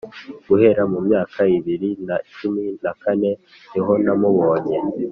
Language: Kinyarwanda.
guhera mu myaka ya bibiri na cumi na kane niho namubonye